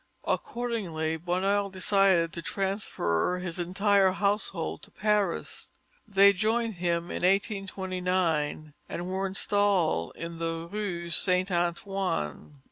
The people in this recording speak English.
Accordingly, Bonheur decided to transfer his entire household to Paris. They joined him in 1829 and were installed in the Rue Saint Antoine.